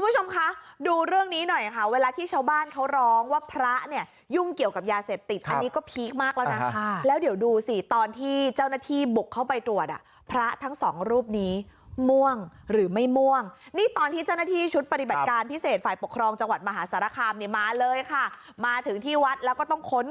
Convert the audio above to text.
คุณผู้ชมคะดูเรื่องนี้หน่อยค่ะเวลาที่ชาวบ้านเขาร้องว่าพระเนี่ยยุ่งเกี่ยวกับยาเสพติดอันนี้ก็พีคมากแล้วนะแล้วเดี๋ยวดูสิตอนที่เจ้าหน้าที่บุกเข้าไปตรวจอ่ะพระทั้งสองรูปนี้ม่วงหรือไม่ม่วงนี่ตอนที่เจ้าหน้าที่ชุดปฏิบัติการพิเศษฝ่ายปกครองจังหวัดมหาสารคามเนี่ยมาเลยค่ะมาถึงที่วัดแล้วก็ต้องค้น